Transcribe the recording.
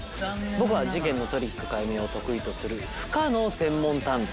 僕は事件のトリック解明を得意とする不可能専門探偵